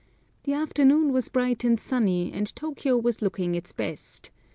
The afternoon was bright and sunny, and Tôkiyô was looking its best.